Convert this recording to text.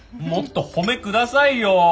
もっと「褒め」くださいよ。